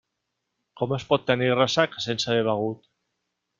Com es pot tenir ressaca sense haver begut?